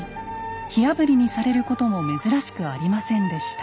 火あぶりにされることも珍しくありませんでした。